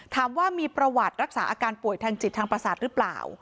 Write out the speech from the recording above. ถามว่ามีประวัติรักษาอาการป่วยทางจิตทางประสาทหรือเปล่า